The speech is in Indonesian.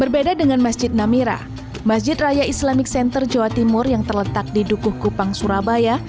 berbeda dengan masjid namira masjid raya islamic center jawa timur yang terletak di dukuh kupang surabaya